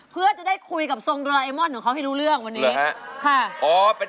เพื่อจะได้คุยกับทรงดูลาเอมอนของเขา